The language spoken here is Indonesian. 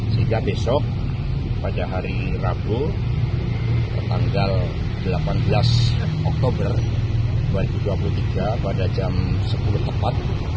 sehingga besok pada hari rabu tanggal delapan belas oktober dua ribu dua puluh tiga pada jam sepuluh tepat